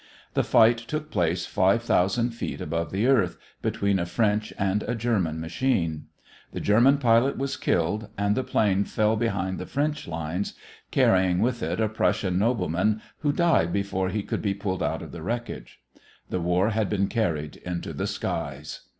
The fight took place five thousand feet above the earth, between a French and a German machine. The German pilot was killed and the plane fell behind the French lines, carrying with it a Prussian nobleman who died before he could be pulled out of the wreckage. The war had been carried into the skies.